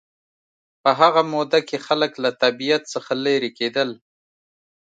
په هغه موده کې خلک له طبیعت څخه لېرې کېدل